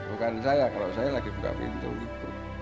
bukan saya kalau saya lagi buka pintu itu